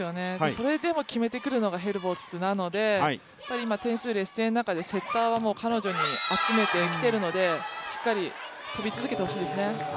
それでも決めてくるのがヘルボッツなのでやはり今、点数、劣勢の中でセッターは彼女に集めてきているのでしっかり跳び続けてほしいですね。